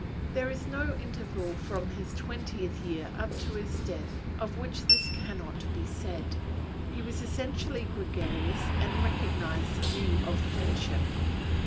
There is no interval from his twentieth year up to his death, of which this cannot be said. He was essentially gregarious and recognized the need of friendship.